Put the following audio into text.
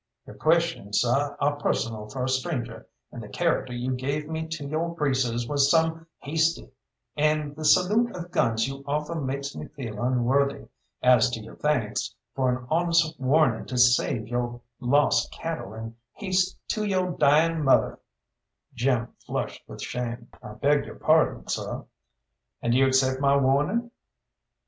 "Yo' questions, seh, are personal for a stranger, and the character you gave me to yo' greasers was some hasty, and the salute of guns you offer makes me feel unworthy. As to your thanks for an honest warning to save yo' lost cattle and haste to yo' dying mother " Jim flushed with shame. "I beg your pardon, sir." "And you accept my warning?"